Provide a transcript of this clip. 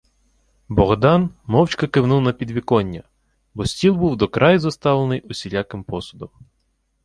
Богдан мовчки кивнув на підвіконня, бо стіл був до краю заставлений усіляким посудом.